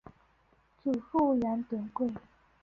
祖父杨德贵。